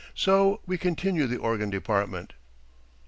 So we continue the organ department.